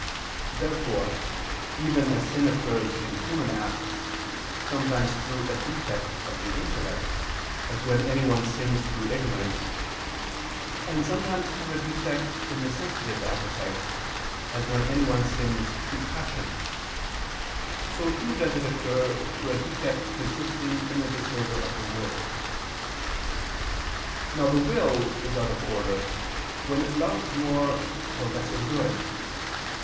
Therefore even as sin occurs in human acts, sometimes through a defect of the intellect, as when anyone sins through ignorance, and sometimes through a defect in the sensitive appetite, as when anyone sins through passion, so too does it occur through a defect consisting in a disorder of the will. Now the will is out of order when it loves more the lesser good.